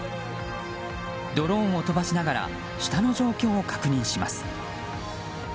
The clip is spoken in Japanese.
ドローンを飛ばしながら下の状況を確認します。